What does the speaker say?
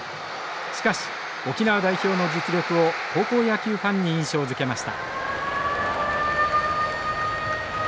しかし沖縄代表の実力を高校野球ファンに印象づけました。